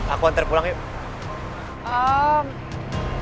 aku antar pulang yuk